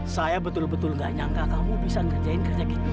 saya betul betul gak nyangka kamu bisa ngerjain kerja kita